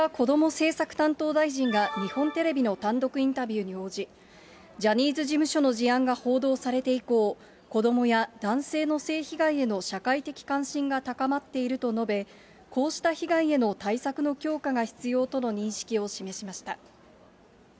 政策担当大臣が日本テレビの単独インタビューに応じ、ジャニーズ事務所の事案が報道されて以降、子どもや男性の性被害への社会的関心が高まっていると述べ、こうした被害への対策の強化が必要との認識を示しました。